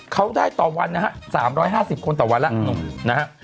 เขาได้ต่อวันนะฮะสามร้อยห้าสิบคนต่อวันละอืมนะฮะ